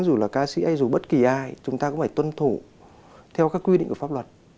dù là ca sĩ hay dù bất kỳ ai chúng ta cũng phải tuân thủ theo các quy định của pháp luật